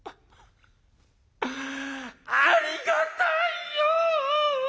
「ありがたいよ！」。